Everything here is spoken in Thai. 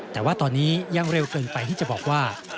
แต่ว่าตอนนี้ยังเร็วเกินไปที่จะบอกว่า